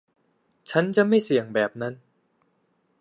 ฉันจะไม่เสี่ยงแบบนั้น